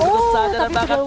oh tapi terlalu